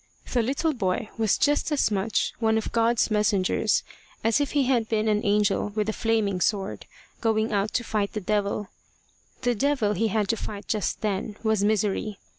The little boy was just as much one of God's messengers as if he had been an angel with a flaming sword, going out to fight the devil. The devil he had to fight just then was Misery.